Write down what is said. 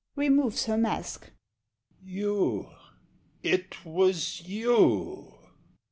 [Removes her mask.] HE. You! it was YOU!